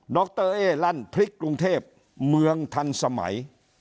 รเอ๊ลั่นพริกกรุงเทพเมืองทันสมัย